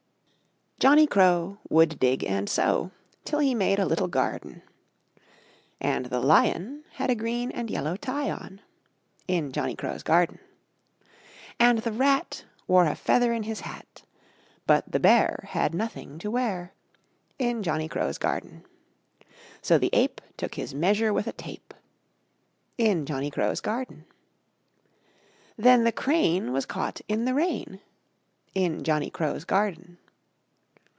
Johnny Crow Would dig and sow Till he made a little Garden. And the Lion Had a green and yellow Tie on In Johnny Crow's Garden. And the Rat Wore a Feather in his Hat But the Bear Had nothing to wear In Johnny Crow's Garden. So the Ape Took his Measure with a Tape In Johnny Crow's Garden. Then the Crane Was caught in the Rain In Johnny Crow's Garden.